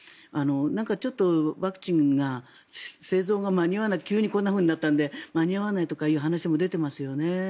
ちょっとワクチンが製造が間に合わない急にこんなふうになったので間に合わないとかいう話も出ていますよね。